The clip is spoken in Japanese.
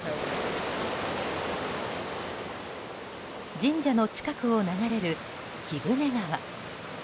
神社の近くを流れる貴船川。